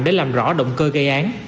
để làm rõ động cơ gây án